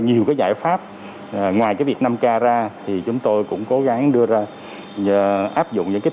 nhiều cái giải pháp ngoài cái việt nam ca ra thì chúng tôi cũng cố gắng đưa ra áp dụng những cái